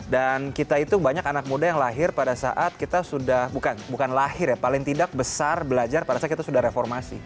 dan kita itu banyak anak muda yang lahir pada saat kita sudah bukan lahir ya paling tidak besar belajar pada saat kita sudah reformasi